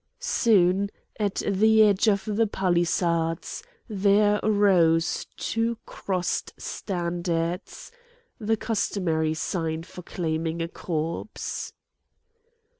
Soon at the edge of the palisades there rose two crossed standards, the customary sign for claiming a corpse.